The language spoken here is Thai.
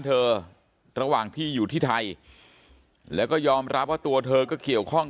ระหว่างที่อยู่ที่ไทยแล้วก็ยอมรับว่าตัวเธอก็เกี่ยวข้อง